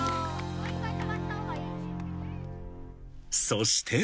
そして。